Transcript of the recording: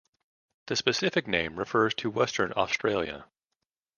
The specific name refers to Western Australia.